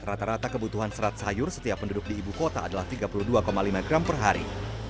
rata rata kebutuhan serat sayur setiap penduduk di ibu kota adalah tiga puluh dua lima gram per hari